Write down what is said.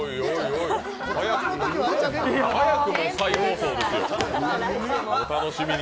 おい早くも再放送ですよ、お楽しみに。